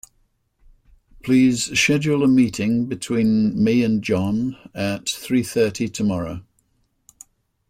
Please schedule a meeting between me and John at three thirty tomorrow.